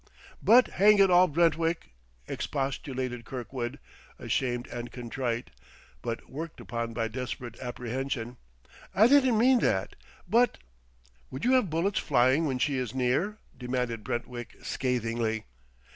"But hang it all, Brentwick!" expostulated Kirkwood, ashamed and contrite, but worked upon by desperate apprehension; "I didn't mean that, but " "Would you have bullets flying when she is near?" demanded Brentwick scathingly.